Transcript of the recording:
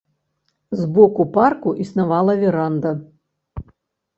З боку парку існавала веранда.